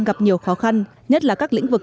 gặp nhiều khó khăn nhất là các lĩnh vực